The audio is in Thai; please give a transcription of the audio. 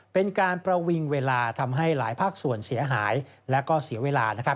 เป็นการประวิงเวลาทำให้หลายภาคส่วนเสียหายและก็เสียเวลานะครับ